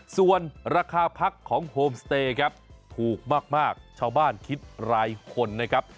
ส่วนราคาพักของโฮมสเตย์ครับถูกมากชาวบ้านคิดรายคนนะครับ